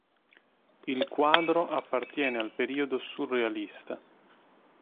Il quadro appartiene al "Periodo surrealista".